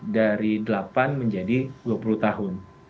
dari delapan menjadi dua puluh tahun